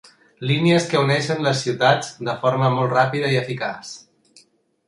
Línies que uneixen les ciutats de forma molt ràpida i eficaç.